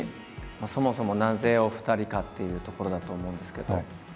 そもそもなぜお二人かっていうところだと思うんですけど。